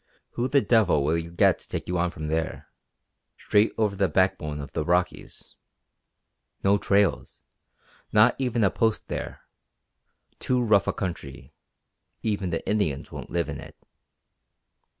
"Who the devil will you get to take you on from there? Straight over the backbone of the Rockies. No trails. Not even a Post there. Too rough a country. Even the Indians won't live in it."